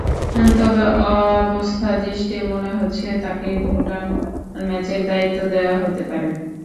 তবে অবস্থাদৃষ্টে মনে হচ্ছে, তাঁকেই ভুটান ম্যাচের দায়িত্ব দেওয়া হতে পারে।